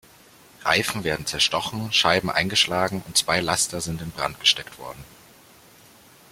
Reifen werden zerstochen, Scheiben eingeschlagen und zwei Laster sind in Brand gesteckt worden.